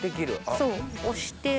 そう押して。